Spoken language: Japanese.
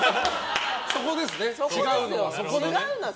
そこですね、違うのは。